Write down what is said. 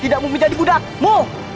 tidak mau menjadi budakmu